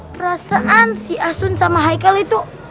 perasaan si asun sama haikal itu